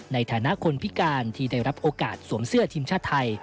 ในฐานะคนพิการที่ได้รับโอกาสสวมเสื้อทีมชาติไทย